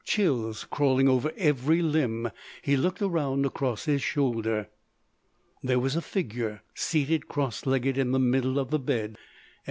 Chills crawling over every limb, he looked around across his shoulder. There was a figure seated cross legged in the middle of the bed!